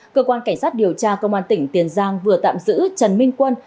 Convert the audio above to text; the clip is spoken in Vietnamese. cơ quan cảnh sát điều tra công an tỉnh tiền giang vừa tạm giữ trần minh quân